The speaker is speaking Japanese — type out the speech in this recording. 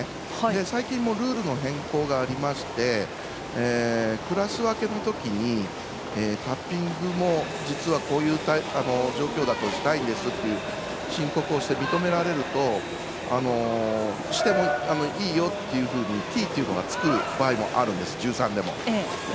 最近ルールの変更がありましてクラス分けのときにタッピングも実はこういう状況だからしたいんですという申告をして認められるとしてもいいよというふうにＴというのがつく場合があるんです。